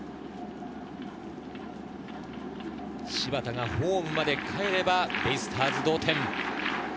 柴田がホームまでかえれば、ベイスターズ同点。